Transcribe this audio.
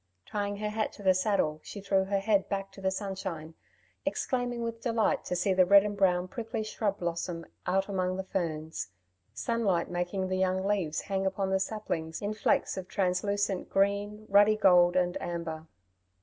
Tying her hat to the saddle, she threw back her head to the sunshine, exclaiming with delight to see the red and brown prickly shrub blossom out among the ferns, sunlight making the young leaves hang upon the saplings in flakes of translucent green, ruddy gold and amber.